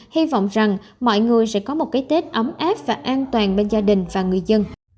hy vọng rằng mọi người sẽ có một cái tết ấm áp và an toàn bên gia đình và người dân